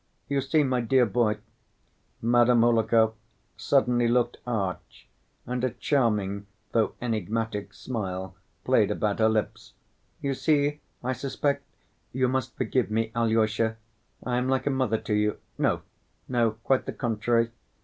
You see, my dear boy"—Madame Hohlakov suddenly looked arch and a charming, though enigmatic, smile played about her lips—"you see, I suspect ... You must forgive me, Alyosha. I am like a mother to you.... No, no; quite the contrary.